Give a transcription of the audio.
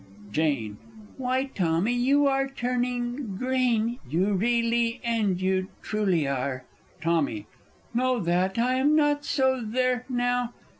Jane. Why, Tommy, you are turning green you really and you truly are! Tommy. No, that I'm not, so there now!